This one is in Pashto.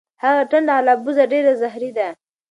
هغه ټنډه غالبوزه ډیره زهری ده.